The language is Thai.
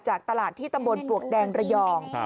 จากตลาดที่ตำบลปลวกแดงระยอง